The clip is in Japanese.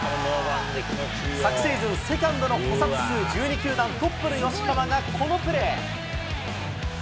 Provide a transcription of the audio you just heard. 昨シーズン、捕殺数１２球団トップの吉川がこのプレー。